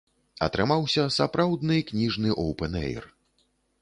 Атрымаўся сапраўдны кніжны опэн-эйр.